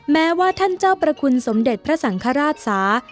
แม้ว่าท่านเจ้าประคุณสมเด็จพระสังฆราชศา